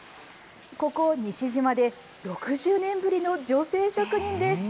ここ西嶋で６０年ぶりの女性職人です。